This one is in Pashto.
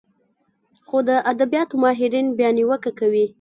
خو د ادبياتو ماهرين بيا نيوکه کوي